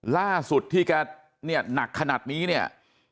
ล่าสุดที่แกเนี่ยหนักขนาดนี้เนี่ย